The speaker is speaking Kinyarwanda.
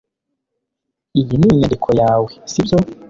iyi ni inyandiko yawe, sibyo